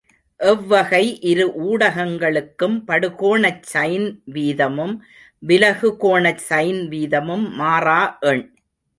எவ்வகை இரு ஊடகங்களுக்கும் படுகோணச் சைன் வீதமும் விலகு கோணச் சைன் வீதமும் மாறா எண்.